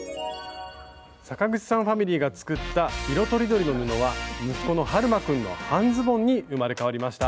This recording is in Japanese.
阪口さんファミリーが作った色とりどりの布は息子のはるまくんの「半ズボン」に生まれ変わりました。